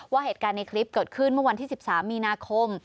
ว่าเหตุการณ์ในคลิปเกิดขึ้นเมื่อวันที่๑๓มีนาคม